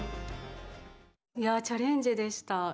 いやチャレンジでした。